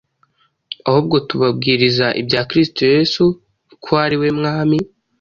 ahubwo tubabwiriza ibya Kristo Yesu ko ari we Mwami,